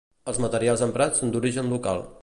Els materials emprats són d'origen local.